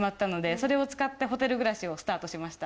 それを使ってホテル暮らしをスタートしました。